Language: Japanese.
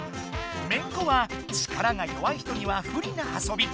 めんこは力が弱い人には不利な遊び。